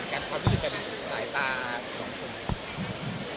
กับความรู้สึกแบบสูญสายตาของคน